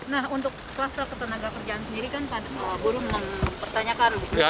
nah untuk klaster ketenaga kerjaan sendiri kan pak burung mempertanyakan